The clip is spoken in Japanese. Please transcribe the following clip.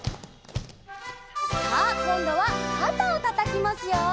「」さあこんどはかたをたたきますよ。